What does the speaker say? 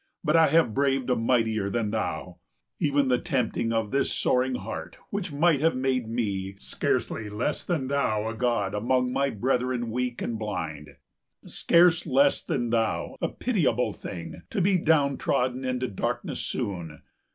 But I have braved a mightier than thou. Even the tempting of this soaring heart, Which might have made me, scarcely less than thou, A god among my brethren weak and blind, 210 Scarce less than thou, a pitiable thing To be down trodden into darkness soon.